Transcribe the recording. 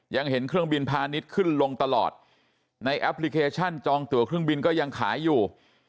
ยังเห็นเครื่องบินพาณิชย์ขึ้นลงตลอดในแอปพลิเคชันจองตัวเครื่องบินก็ยังขายอยู่